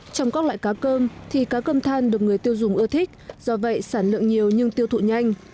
trong các loại cá cơm thì cá cơm than được người tiêu dùng ưa thích do vậy sản lượng nhiều nhưng tiêu thụ nhanh